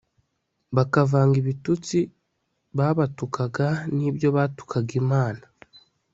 bakavanga ibitutsi babatukaga n'ibyo batukaga imana